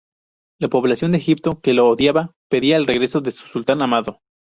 La población de Egipto que lo odiaba, pedía el regreso de su sultán amado.